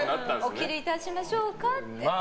お切りいたしましょうかって。